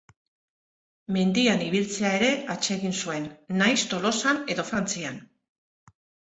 Mendian ibiltzea ere atsegin zuen, nahiz Tolosan edo Frantzian.